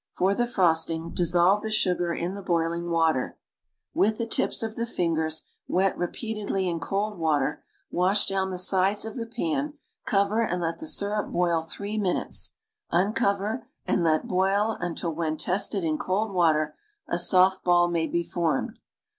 For Uie frosting dissolve the sugar in the boiling water; with the tips of the fingers, wet repeatedly in cold water, wash down the sides of the pan, cover and let the syrup boil three minutes, uncover and let boil until when, tested in cold water, a soft ball may be formed.